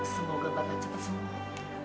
semoga bapak cepat semua